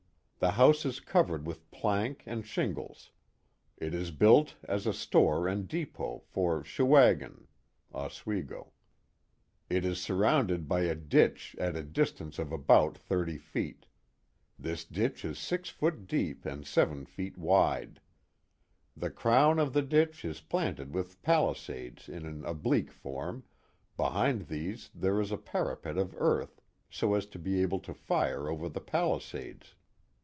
The house is covered with plank and shingle*. It is built as a store and depot for Cheouegn (Oswego). It is sur rounded by a ditch at a distance of about thirty feei. This ditcli i* six feet deep and seven feet wide. The crown of the ditch is planted with palisades in an oblique form, behind these there is a parapet of earth so as to be able to fire over the palisades.